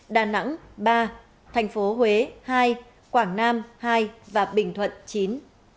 đà nẵng ba tp huế hai quảng nam hai và bình thuận chín